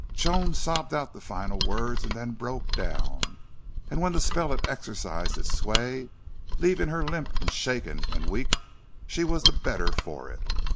Joan sobbed out the final words and then broke down. And when the spell had exercised its sway, leaving her limp and shaken and weak, she was the better for it.